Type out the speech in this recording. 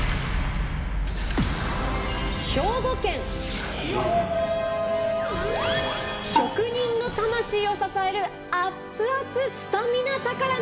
兵庫県「職人の魂を支えるあっつあつのスタミナ宝鍋」。